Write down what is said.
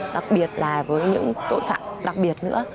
đặc biệt là với những tội phạm đặc biệt nữa